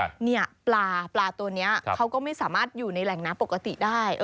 เนี่ยปลาปลาตัวนี้เขาก็ไม่สามารถอยู่ในแหล่งน้ำปกติได้